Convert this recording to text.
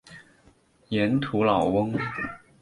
盐土老翁。